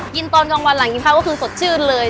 ตอนกลางวันหลังกินข้าวก็คือสดชื่นเลย